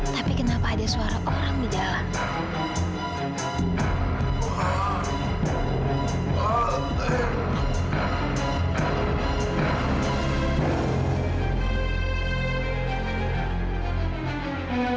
tapi kenapa ada suara orang di dalam